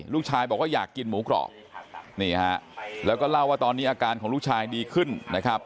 ลูกชายบอกว่าอยากกินหมูกรอบนี่ฮะแล้วก็เล่าว่าตอนนี้อาการของลูกชายดีขึ้นนะครับ